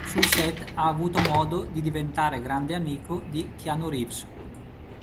Sul set ha avuto modo di diventare grande amico di Keanu Reeves.